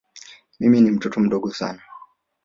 Mimi ni mtoto mdogo sana.